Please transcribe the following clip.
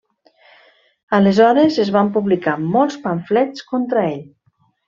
Aleshores es van publicar molts pamflets contra ell.